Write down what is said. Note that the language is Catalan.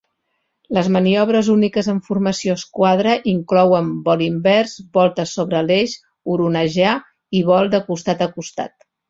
Les maniobres úniques en formació esquadra inclouen vol invers, voltes sobre l'eix, oronejar i vol de costat a costat.